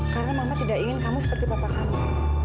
karena mama tidak ingin kamu seperti papa kamu